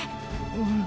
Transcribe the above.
うん。